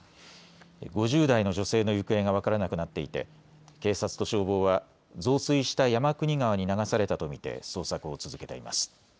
５０代の女性の行方が分からなくなっていて警察と消防は増水した山国川に流されたと見て捜索を続けています。